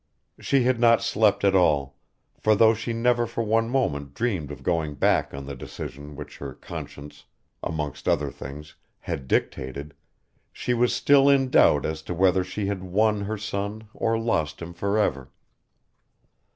She had not slept at all, for though she never for one moment dreamed of going back on the decision which her conscience, amongst other things, had dictated, she was still in doubt as to whether she had won her son or lost him for ever.